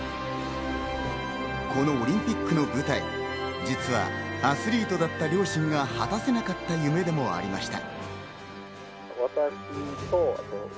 このオリンピックの舞台、実はアスリートだった両親が果たせなかった夢でもありました。